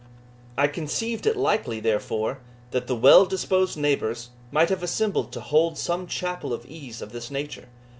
I conceived it likely, therefore, that the well disposed neighbours might have assembled to hold some chapel of ease of this nature.